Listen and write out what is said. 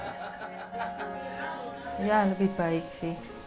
ya lebih baik sih